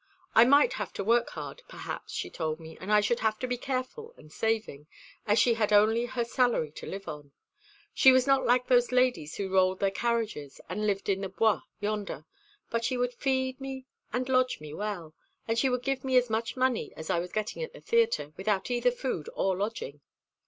I might have to work hard, perhaps, she told me, and I should have to be careful and saving, as she had only her salary to live on. She was not like those ladies who rolled their carriages and lived in the Bois yonder; but she would feed me and lodge me well, and she would give me as much money as I was getting at the theatre, without either food or lodging."